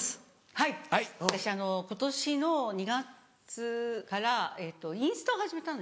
はい私今年の２月からインスタを始めたんですけども。